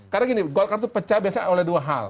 karena gini golkar itu pecah biasanya oleh dua hal